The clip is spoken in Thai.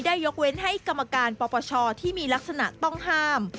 ยกเว้นให้กรรมการปปชที่มีลักษณะต้องห้าม